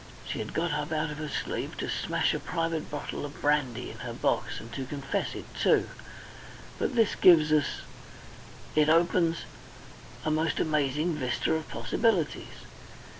She had got up out of her sleep to smash a private bottle of brandy in her box. And to confess it too!... But this gives us it opens a most amazing vista of possibilities.